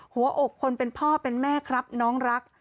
หัวอกคนเป็นพ่อเป็นแม่ครับน้องรัก